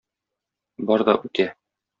Бар да үтә...